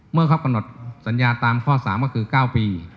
เมื่อเขากำหนดสัญญาตามข้อ๓ก็คือ๙ปี